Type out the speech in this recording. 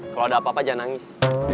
kalau ada apa apa jangan nangis